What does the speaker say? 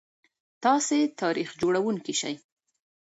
تاسي تاریخ جوړونکي شئ.